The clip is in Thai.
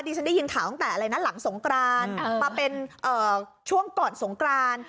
ฉันได้ยินข่าวตั้งแต่อะไรนะหลังสงกรานมาเป็นช่วงก่อนสงกราน